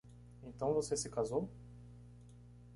Então você se casou?